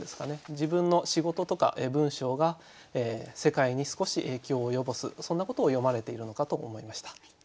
自分の仕事とか文章が世界に少し影響を及ぼすそんなことを詠まれているのかと思いました。